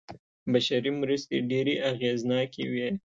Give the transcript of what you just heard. بشري مرستې ډېرې اغېزناکې وې.